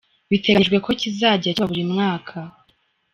Biteganyijwe ko kizajya kiba buri mwaka.